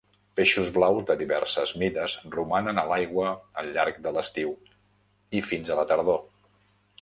Peixos blaus de diverses mides romanen a l'aigua al llarg de l'estiu i fins a la tardor.